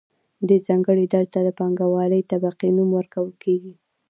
دې ځانګړې ډلې ته د پانګوالې طبقې نوم ورکول کیږي.